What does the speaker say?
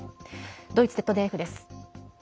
ドイツＺＤＦです。